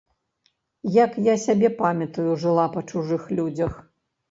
Як я сябе памятаю, жыла па чужых людзях.